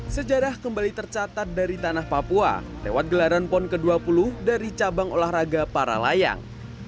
sejarah kembali tercatat dari tanah papua lewat gelaran pon ke dua puluh dari cabang olahraga para layang